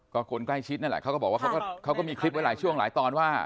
ก็คนใกล้ชิดนั่นแหละเขาก็บอกว่าเขาก็มีคลิปไว้หลายช่วงหลายตอนว่า